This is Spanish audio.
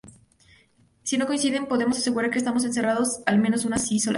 Si no coinciden, podemos asegurar que estamos encerrando al menos una dislocación.